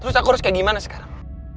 terus aku harus kayak gimana sekarang